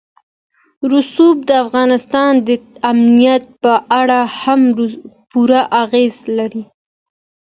رسوب د افغانستان د امنیت په اړه هم پوره اغېز لري.